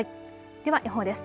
では予報です。